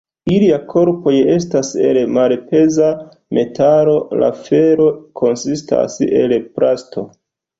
Ilia korpoj estas el malpeza metalo, la felo konsistas el plasto.